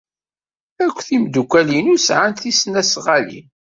Akk timeddukal-inu sɛant tisnasɣalin.